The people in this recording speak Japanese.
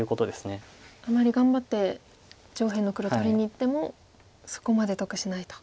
あまり頑張って上辺の黒取りにいってもそこまで得しないと。